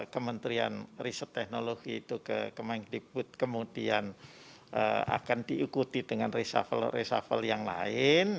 kementerian riset teknologi itu ke kemengkiput kemudian akan diikuti dengan resafel resafel yang lain